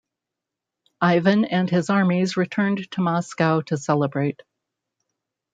Ivan and his armies returned to Moscow to celebrate.